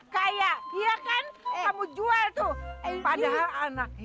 gimana mau ngelindungi anak i